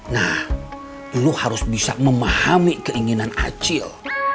nah lu harus bisa memahami keinginan acil